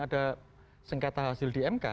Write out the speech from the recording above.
ada sengketa hasil di mk